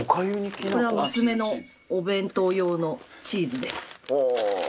これは娘のお弁当用のチーズです。